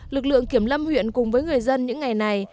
lực lượng kiểm lâm huyện cùng với người dân những ngày này